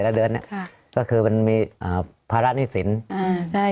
เนี้ยค่ะก็คือมันมีอ่าภาระหนี้สินอ่า